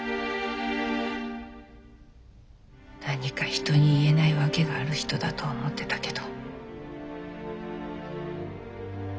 何か人に言えない訳がある人だと思ってたけど。